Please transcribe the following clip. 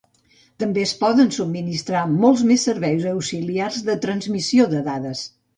També es poden subministrar molts serveis auxiliars de transmissió de dades.